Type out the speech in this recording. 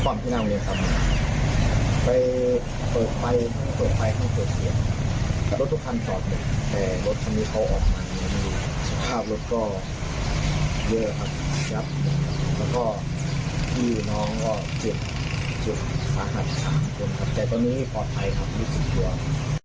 ออกไปประดับการที่จะไปช่วยรถพิกษ์ความที่นั่งเรียนคำเนี้ยไปโต๊ะไฟต้องโต๊ะไฟต้องโต๊ะเขียนแต่รถทุกคันจอดหนึ่งแต่รถคันนี้เขาออกมาไม่ดีสภาพรถก็เยอะครับครับแล้วก็พี่น้องก็เจ็บเจ็บสหรัฐสามคนครับแต่ตอนนี้ปลอดภัยครับรู้สึกด้วย